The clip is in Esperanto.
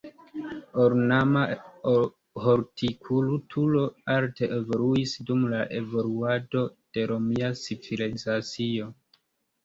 Ornama hortikulturo alte evoluis dum la evoluado de romia civilizacio.